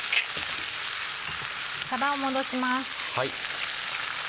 さばを戻します。